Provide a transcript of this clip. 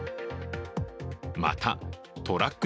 また、トラック